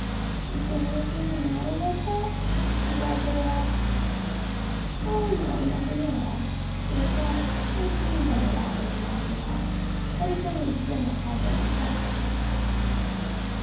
"Is there anything the matter with it!" she drowsily asked. "O, no, nothing at all," he replied. "I dreamed that a rat was gnawing it off. But it is only a string I tied there myself."